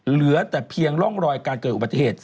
เหลือแต่เพียงร่องรอยการเกิดอุบัติเหตุ